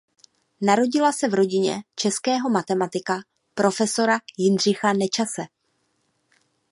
Narodila se v rodině českého matematika profesora Jindřicha Nečase.